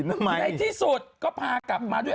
ในที่สุดก็พากลับมาด้วย